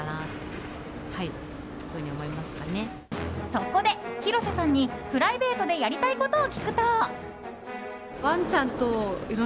そこで広瀬さんにプライベートでやりたいことを聞くと。